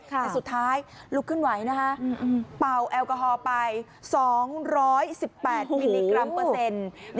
แต่สุดท้ายลุกขึ้นไหวนะคะเป่าแอลกอฮอล์ไป๒๑๘มิลลิกรัมเปอร์เซ็นต์